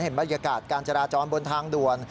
บรรยากาศการจราจรบนทางด่วน